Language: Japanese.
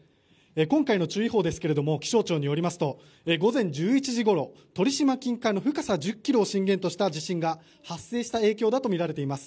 今回の注意報ですが気象庁によりますと午前１１時ごろ、鳥島近海の深さ１０ｋｍを震源とした地震が発生した影響だとみられています。